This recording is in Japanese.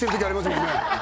もんね